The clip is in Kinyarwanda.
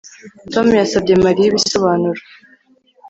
Tom yasabye Mariya ibisobanuro